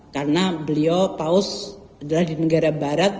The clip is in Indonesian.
karena beliau paus adalah di negara barat